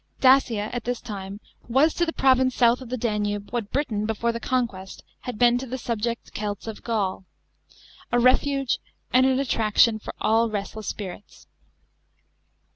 Dacia, at this, time, was to the provinces south of the Danube what Britain before the conquest had been to the subject Celts of Gaul — a reluge and an attraction for all restless spirits.